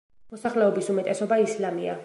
მოსახლეობის უმეტესობა ისლამია.